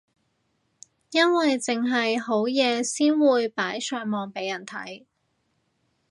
因為剩係好嘢先會擺上網俾人睇